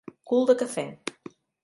Cul de cafè.